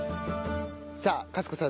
さあ勝子さん